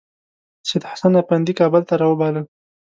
سیدحسن افندي کابل ته راوباله.